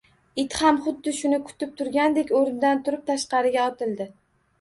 It ham xuddi shuni kutib turgandek o`rnidan turib, tashqariga otildi